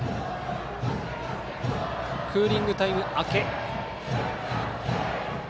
クーリングタイム明け。